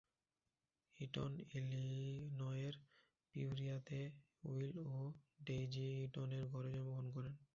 Eaton ইলিনয়ের পিওরিয়াতে Will ও ডেইজি ইটনের ঘরে জন্মগ্রহণ করেন।